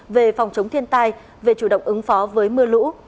về phòng chống thiên tai về chủ động ứng phó với mưa lũ